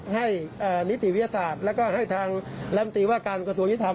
ให้นิติวิทยาศาสตร์และให้ทางแรมตีว่าการกระทั่วยุทธรรม